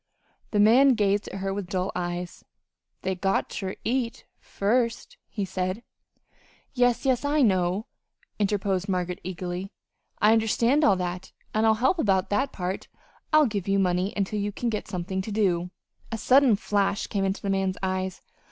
The man gazed at her with dull eyes. "They got ter eat first," he said. "Yes, yes, I know," interposed Margaret, eagerly. "I understand all that, and I'll help about that part. I'll give you money until you get something to do." A sudden flash came into the man's eyes.